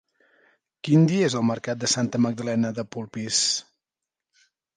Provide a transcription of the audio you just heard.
Quin dia és el mercat de Santa Magdalena de Polpís?